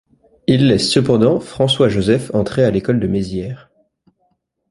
Il laisse cependant François Joseph entrer à l'École de Mézières.